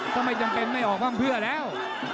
ก็ไม่จำเป็นไม่ออกพร่ำเพื่อแล้ว